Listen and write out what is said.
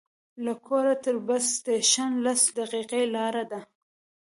له کوره تر بس سټېشن لس دقیقې لاره ده.